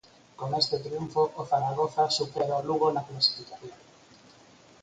Con este triunfo, o Zaragoza supera o Lugo na clasificación.